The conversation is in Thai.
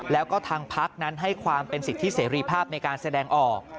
แล้วก็ทางพักนั้นให้ความเป็นสิทธิเสรีภาพในการแสดงออก